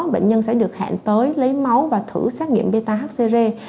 bệnh nhân sẽ được hẹn tới lấy máu và thử xét nghiệm beta hcre